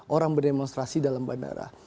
orang berdemonstrasi dalam bandara